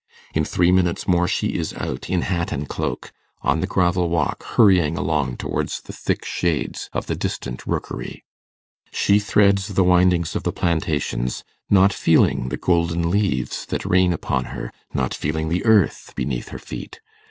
In three minutes more she is out, in hat and cloak, on the gravel walk, hurrying along towards the thick shades of the distant Rookery. She threads the windings of the plantations, not feeling the golden leaves that rain upon her, not feeling the earth beneath her feet.